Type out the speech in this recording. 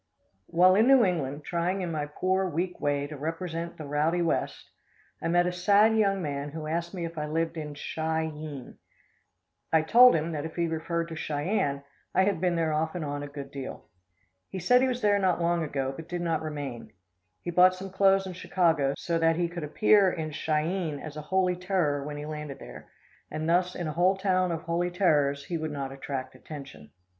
While in New England trying in my poor, weak way to represent the "rowdy west," I met a sad young man who asked me if I lived in Chi eene. I told him that if he referred to Cheyenne, I had been there off and on a good deal. He said he was there not long ago, but did not remain. He bought some clothes in Chicago, so that he could appear in Chi eene as a "holy terror" when he landed there, and thus in a whole town of "holy terrors" he would not attract attention.